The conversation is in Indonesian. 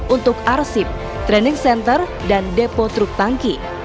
untuk arsip training center dan depo truk tangki